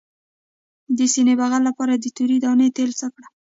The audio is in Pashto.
د سینې بغل لپاره د تورې دانې تېل څه کړم؟